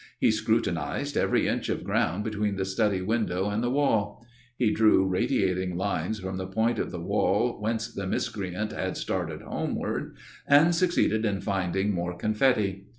He scrutinized every inch of ground between the study window and the wall; he drew radiating lines from the point of the wall whence the miscreant had started homeward and succeeded in finding more confetti.